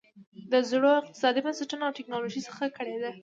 د زړو اقتصادي بنسټونو او ټکنالوژۍ څخه کړېده.